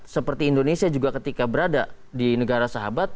seperti indonesia juga ketika berada di negara sahabat